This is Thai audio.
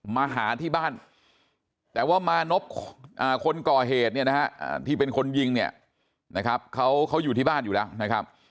มาหาที่บ้านแต่ว่ามานพคนก่อเหตุเนี่ยนะฮะที่เป็นคนยิงเนี่ยนะครับเขาอยู่ที่บ้านอยู่แล้วนะครับ